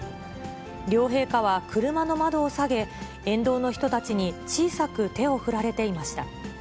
両陛下は車の窓を下げ、沿道の人たちに小さく手を振られていました。